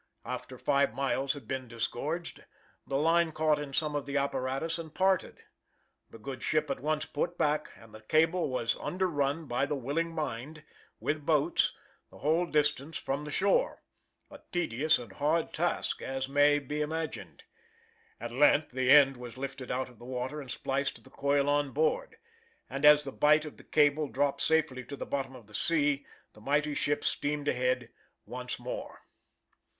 After five miles had been disgorged, the line caught in some of the apparatus and parted. The good ship at once put back and the cable was underrun by the Willing Mind, with boats, the whole distance from the shore a tedious and hard task, as may be imagined. At length the end was lifted out of the water and spliced to the coil on board; and as the bight of the cable dropped safely to the bottom of the sea, the mighty ship steamed ahead once more.